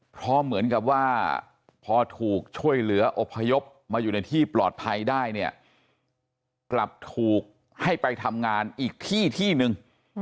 เพราะเหมือนกับว่าพอถูกช่วยเหลืออพยพมาอยู่ในที่ปลอดภัยได้เนี่ยกลับถูกให้ไปทำงานอีกที่ที่นึง